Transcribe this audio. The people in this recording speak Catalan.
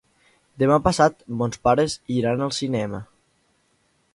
Demà passat mons pares iran al cinema.